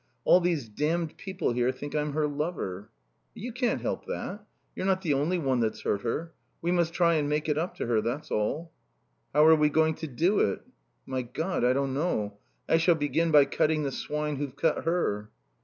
All these damned people here think I'm her lover." "You can't help that. You're not the only one that's hurt her. We must try and make it up to her, that's all." "How are we going to do it?" "My God! I don't know. I shall begin by cutting the swine who've cut her."